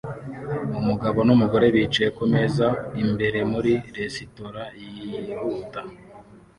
Umugabo numugore bicaye kumeza imbere muri resitora yihuta